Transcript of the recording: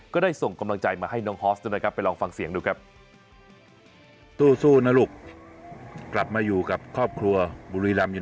ก็ได้ส่งกำลังใจมาให้น้องฮอสด้วยนะครับไปลองฟังเสียงดูครับ